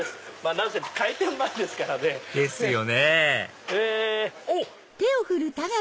何せ開店前ですからね。ですよねおっ！